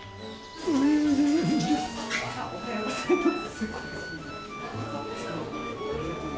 おはようございます。